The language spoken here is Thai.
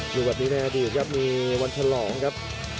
อยู่แบบนี้ในอดีตครับมีวันฉลองครับ